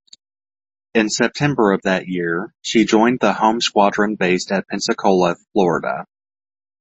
In September of that year, she joined the Home Squadron based at Pensacola, Florida.